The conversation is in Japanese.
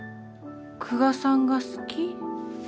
久我さんが好き。